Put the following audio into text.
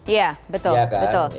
iya betul betul